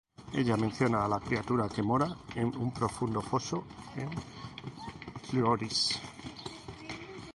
Ella menciona a la Criatura que mora en un profundo foso en Chloris.